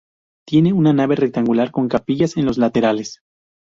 Tiene una nave rectangular, con capillas en los laterales.